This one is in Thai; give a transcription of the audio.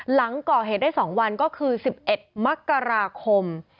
หลังก่อเหตุได้๒วันก็คือ๑๑มกราคม